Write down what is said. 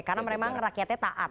karena memang rakyatnya taat